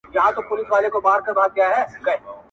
د شعر د پیغام په برخه کي پوښتنه وسي -